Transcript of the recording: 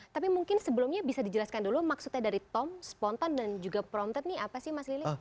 tapi mungkin sebelumnya bisa dijelaskan dulu maksudnya dari tom spontan dan juga promptet nih apa sih mas lili